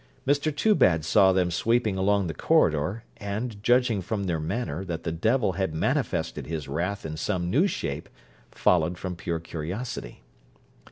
Mr Toobad saw them sweeping along the corridor, and judging from their manner that the devil had manifested his wrath in some new shape, followed from pure curiosity.